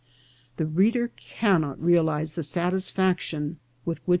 The reader cannot realize the satisfaction with which VOL.